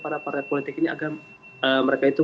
para partai politik ini agar mereka itu